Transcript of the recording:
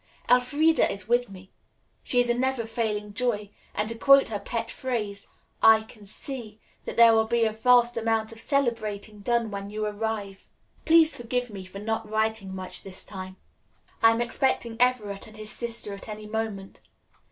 "Elfreda is with me. She is a never failing joy, and to quote her pet phrase, 'I can see' that there will be a vast amount of celebrating done when you arrive. Please forgive me for not writing much this time. I am expecting Everett and his sister at any moment.